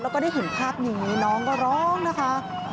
แล้วก็ได้เห็นภาพอย่างนี้น้องก็ร้องนะคะ